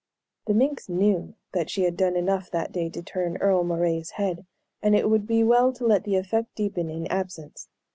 The minx knew that she had done enough that day to turn Earle Moray's head, and it would be well to let the effect deepen in absence.